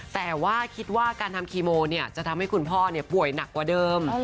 แต่ว่าคิดว่าการทำคีโมจะทำให้คุณพ่อป่วยหนักกว่าเดิม